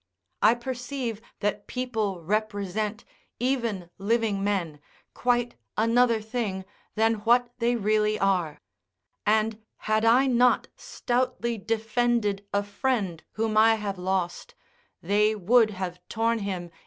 I perceive that people represent, even living men, quite another thing than what they really are; and had I not stoutly defended a friend whom I have lost, [De la Boetie.